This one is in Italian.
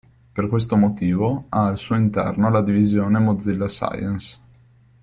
Per questo motivo ha al suo interno la divisione Mozilla Science.